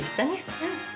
うん。